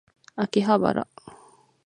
秋葉原